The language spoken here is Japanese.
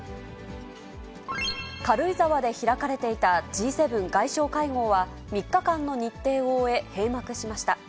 軽井沢で開かれていた、Ｇ７外相会合は、３日間の日程を終え、閉幕しました。